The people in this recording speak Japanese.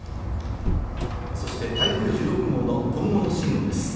そして台風１６号の今後の進路です。